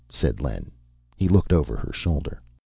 said Len. He looked over her shoulder.